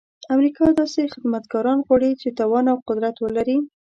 امریکا داسې خدمتګاران غواړي چې توان او قدرت ولري.